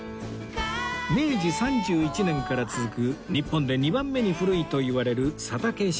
明治３１年から続く日本で２番目に古いといわれる